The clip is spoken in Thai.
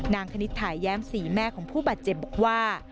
นางคณิตขาแย้มสีแม่ของผู้บาดเจ็บบอกว่า